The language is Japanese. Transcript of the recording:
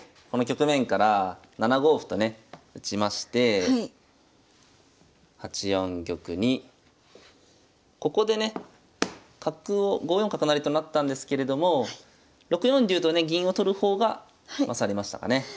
この局面から７五歩とね打ちまして８四玉にここでね角を５四角成となったんですけれども６四竜とね銀を取る方が勝りましたかね。